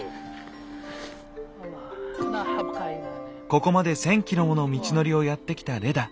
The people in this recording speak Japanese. ここまで１，０００ｋｍもの道のりをやって来たレダ。